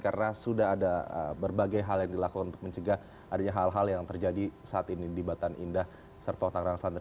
karena sudah ada berbagai hal yang dilakukan untuk mencegah adanya hal hal yang terjadi saat ini di batan indah serpok tangkang standar